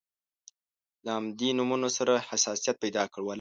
له همدې نومونو سره حساسیت پیدا کړ.